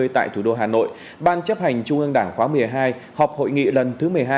tại thủ đô hà nội ban chấp hành trung ương đảng khóa một mươi hai họp hội nghị lần thứ một mươi hai